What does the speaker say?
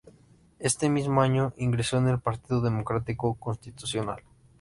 Este mismo año ingresó en el Partido Democrático Constitucional.